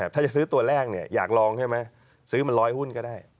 ถ้าจะซื้อตัวแรกอยากลองใช่ไหมซื้อมา๑๐๐หุ้นก็ได้